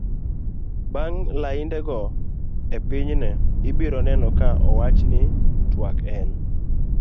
bang' lainde go pinyne ibiro neno ka owach ni twak en